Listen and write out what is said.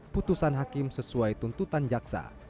putusan hakim sesuai tuntutan jaksa